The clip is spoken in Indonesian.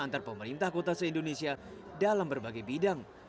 antar pemerintah kota se indonesia dalam berbagai bidang